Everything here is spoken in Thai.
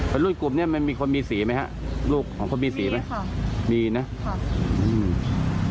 รุ่นกลุ่มเนี้ยมันมีคนมีสีไหมฮะลูกของคนมีสีไหมค่ะมีนะครับอืม